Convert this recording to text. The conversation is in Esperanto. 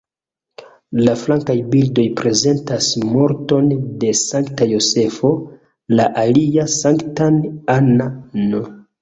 La flankaj bildoj prezentas morton de Sankta Jozefo, la alia Sanktan Anna-n.